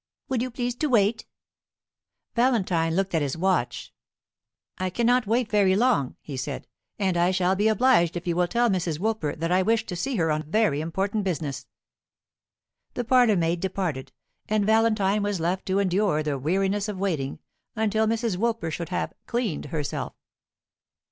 Would you please to wait?" Valentine looked at his watch. "I cannot wait very long," he said; "and I shall be obliged if you will tell Mrs. Woolper that I wish to see her on very important business." The parlour maid departed, and Valentine was left to endure the weariness of waiting until Mrs. Woolper should have "cleaned herself."